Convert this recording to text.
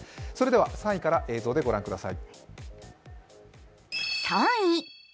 ３位から映像でご覧ください。